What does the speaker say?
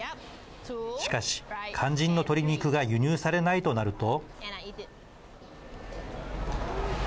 しかし、肝心の鶏肉が輸入されないとなると。